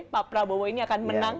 pak prabowo ini akan menang